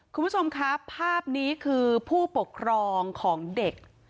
คุณผู้ชมครับภาพนี้คือผู้ปกครองของเด็ก